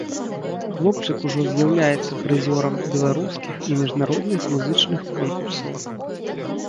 Хлопчык ужо з'яўляецца прызёрам беларускіх і міжнародных музычных конкурсаў.